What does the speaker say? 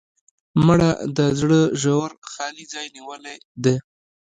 مړه د زړه ژور خالي ځای نیولې ده